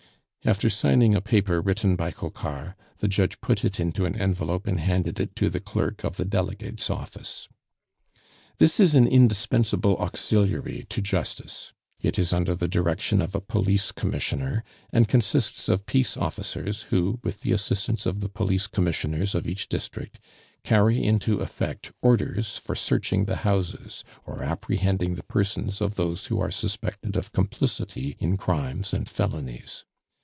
After signing a paper written by Coquart, the judge put it into an envelope and handed it to the clerk of the Delegate's office. This is an indispensable auxiliary to justice. It is under the direction of a police commissioner, and consists of peace officers who, with the assistance of the police commissioners of each district, carry into effect orders for searching the houses or apprehending the persons of those who are suspected of complicity in crimes and felonies.